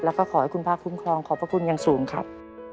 แล้วก็ขอให้คุณพระคุ้มครองขอบพระคุณอย่างสูงครับ